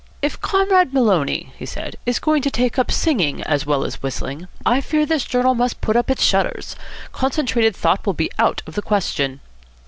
"If Comrade Maloney," he said, "is going to take to singing as well as whistling, I fear this journal must put up its shutters. Concentrated thought will be out of the question."